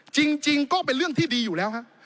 จริงก็เป็นเรื่องที่ดีอยู่แล้วฮะ